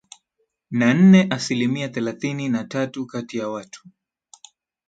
na nne asilimia thelathini na tatu kati ya watu